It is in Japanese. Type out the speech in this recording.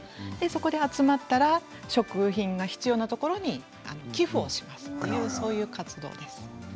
そこで集まったら食品が必要なところに寄付をしますという活動です。